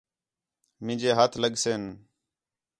میںجے ہتھ لڳسن